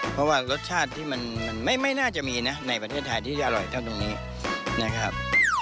เพราะว่ารสชาติที่มันไม่น่าจะมีนะในประเทศไทยที่จะอร่อยเท่าตรงนี้นะครับ